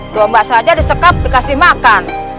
domba saja disekap dikasih makan